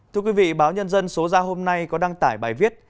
thưa quý vị báo nhân dân số ra hôm nay có đăng tải bài viết